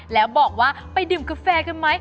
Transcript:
แล้วบอกว่าไปดื่มกาแฟกันไหม